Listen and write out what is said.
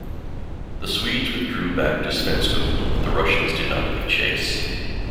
The Swedes withdrew back to Svensksund but the Russians did not give chase.